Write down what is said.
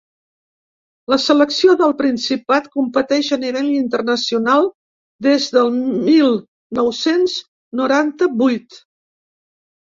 La selecció del Principat competeix a nivell internacional des del mil nou-cents noranta-vuit.